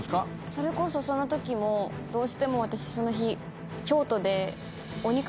それこそそのときもどうしても私その日。